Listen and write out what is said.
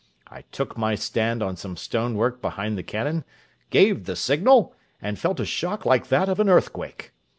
I took my stand on some stone work behind the cannon, gave the signal, and felt a shock like that of earthquake!